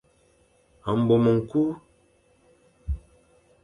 Mbom ñkul.